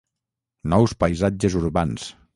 Nous paisatges urbans.